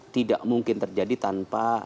tidak mungkin terjadi tanpa